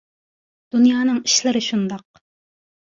دۇنيانىڭ ئىشلىرى شۇنداق.